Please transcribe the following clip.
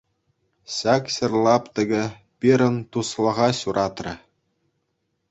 Ҫак ҫӗр лаптӑкӗ пирӗн туслӑха ҫуратрӗ.